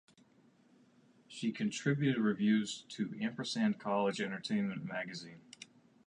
She contributed reviews to "Ampersand" college entertainment magazine.